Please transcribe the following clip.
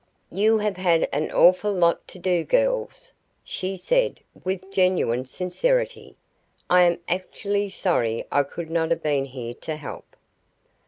"You have had an awful lot to do, girls," she said with genuine sincerity. "I am actually sorry I could not have been here to help."